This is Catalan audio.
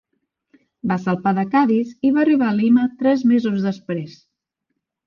Va salpar de Cadis i va arribar a Lima tres mesos després.